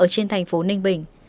trên thành phố ninh bình